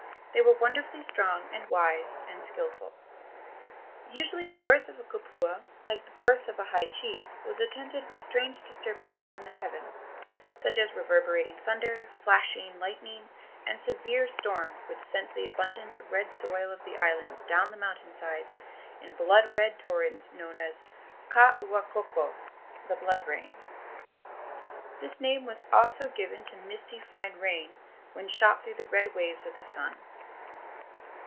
They were wonderfully strong and wise and skilful. Usually the birth of a kupua, like the birth of a high chief, was attended with strange disturbances in the heavens, such as reverberating thunder, flashing lightning, and severe storms which sent the abundant red soil of the islands down the mountain sides in blood red torrents known as ka ua koko (the blood rain). This name was also given to misty fine rain when shot through by the red waves of the sun.